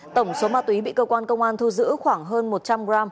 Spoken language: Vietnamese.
tổng số ma túy bị công an thu giữ khoảng hơn một trăm linh g